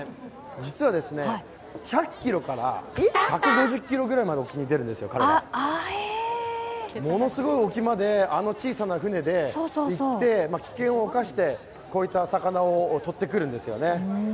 実は１００ｋｍから１５０ｋｍぐらいまで沖に出るんですよ、彼らものすごい沖まであの小さな舟で行って危険を犯して、こういった魚をとってくるんです。